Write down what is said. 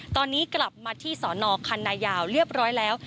ตอนนี้กลับมาที่สอนอคันนายาวเรียบร้อยแล้ว